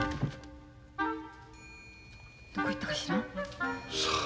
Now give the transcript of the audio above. どこ行ったか知らん？